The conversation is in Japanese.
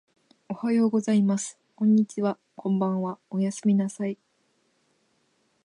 おはようございます。こんにちは。こんばんは。おやすみなさい。